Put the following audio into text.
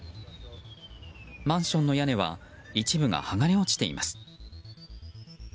マンションの屋根は一部が剥がれ落ちています。